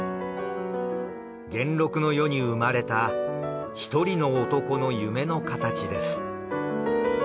元禄の世に生まれた一人の男の夢の形です。